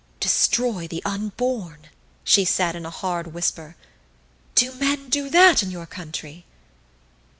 "Destroy the unborn !" she said in a hard whisper. "Do men do that in your country?"